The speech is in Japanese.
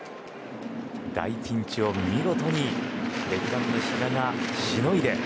大ピンチを見事にベテランの比嘉がしのいで。